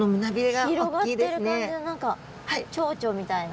広がってる感じで何かチョウチョみたいな。